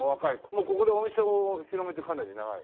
もうここでお店を広げてかなり長い？